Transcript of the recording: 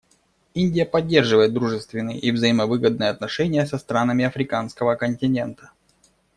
Индия поддерживает дружественные и взаимовыгодные отношения со странами Африканского континента.